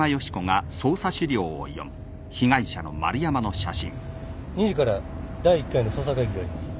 助けてくれ２時から第１回の捜査会議があります